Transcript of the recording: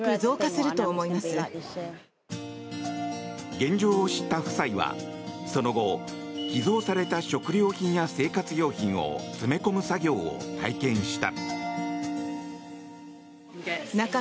現状を知った夫妻は、その後寄贈された食料品や生活用品を詰め込む作業を体験した。